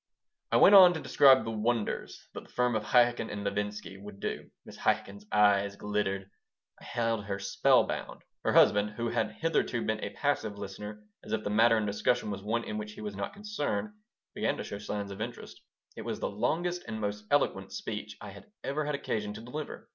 I went on to describe the "wonders" that the firm of Chaikin & Levinsky would do. Mrs. Chaikin's eyes glittered. I held her spellbound. Her husband, who had hitherto been a passive listener, as if the matter under discussion was one in which he was not concerned, began to show signs of interest. It was the longest and most eloquent speech I had ever had occasion to deliver.